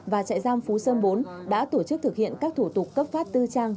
và trại giam phú sơn bốn đã tổ chức thực hiện các thủ tục cấp phát tư trang